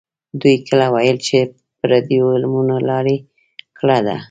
دوی کله ویل چې پردیو علمونو لاره کړې ده.